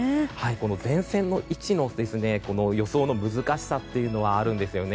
この前線の位置の予想の難しさというのがあるんですよね。